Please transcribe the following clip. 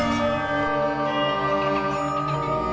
lo mau serang